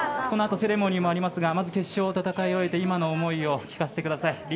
このあとセレモニーもありますがまず決勝を戦い終えて今のお気持ちを聞かせてください。